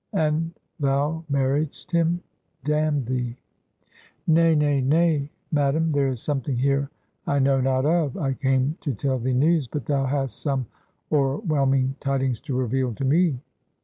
"And thou marriedst him? Damn thee!" "Nay, nay, nay, Madam; there is something here I know not of I came to tell thee news, but thou hast some o'erwhelming tidings to reveal to me."